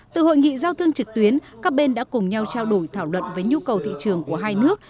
từ hội nghị giao thương trực tuyến các bên đã cùng nhau trao đổi thảo luận với nhu cầu thị trường của hai nước